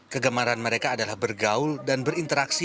kegemaran mereka adalah bergaul dan berinteraksi